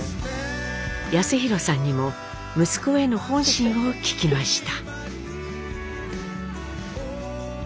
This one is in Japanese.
康宏さんにも息子への本心を聞きました。